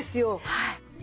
はい。